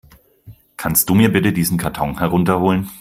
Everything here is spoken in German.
Kannst du mir bitte diesen Karton herunter holen?